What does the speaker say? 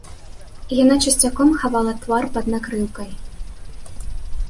Яна часцяком хавала твар пад накрыўкай.